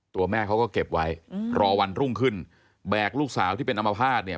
แม่เขาก็เก็บไว้รอวันรุ่งขึ้นแบกลูกสาวที่เป็นอัมพาตเนี่ย